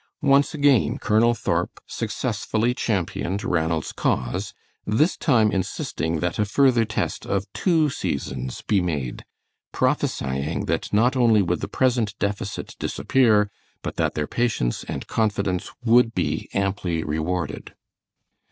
Once again Colonel Thorp successfully championed Ranald's cause, this time insisting that a further test of two seasons be made, prophesying that not only would the present deficit disappear, but that their patience and confidence would be amply rewarded.